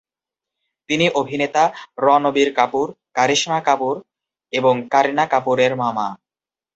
তিনি অভিনেতা রণবীর কাপুর, কারিশমা কাপুর এবং কারিনা কাপুরের মামা।